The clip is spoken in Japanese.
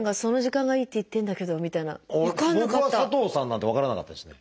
僕は「佐藤さん」なんて分からなかったですね。